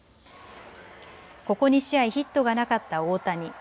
ここ２試合ヒットがなかった大谷。